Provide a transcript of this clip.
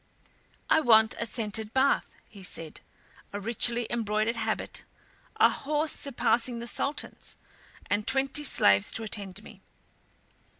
"I want a scented bath," he said, "a richly embroidered habit, a horse surpassing the Sultan's, and twenty slaves to attend me.